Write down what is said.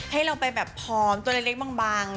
ให้เราไปแบบพร้อมตัวเล็กบาง